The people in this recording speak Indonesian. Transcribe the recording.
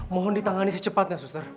mohon ditangani secepatnya suster